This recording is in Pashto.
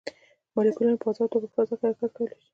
مالیکولونه په ازاده توګه په فضا کې حرکت کولی شي.